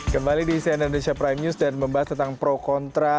kembali di cnn indonesia prime news dan membahas tentang pro kontra